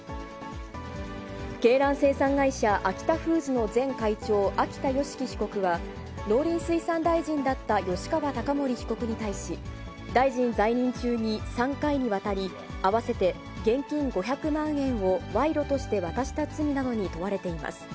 鶏卵生産会社、アキタフーズの前会長、秋田善祺被告は、農林水産大臣だった吉川貴盛被告に対し、大臣在任中に３回にわたり、合わせて現金５００万円を賄賂として渡した罪などに問われています。